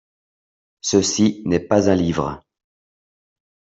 Ceci n'est pas un livre.